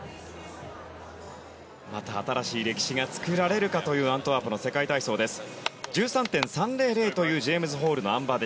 新しい歴史が作られるかというアントワープの世界体操です。１３．３００というジェームズ・ホールのあん馬。